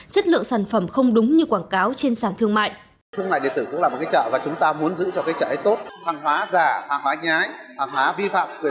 chất lượng sản phẩm không đúng như quảng cáo trên sàn thương mại